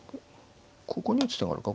ここに打つ手があるか。